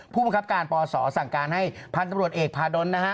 ผู้บังคับการปศสั่งการให้พันธุ์ตำรวจเอกพาดลนะฮะ